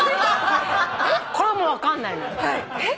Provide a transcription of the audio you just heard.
これも分かんないの。